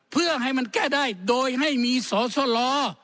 เพื่อให้มันแก้ได้โดยให้มีสอสล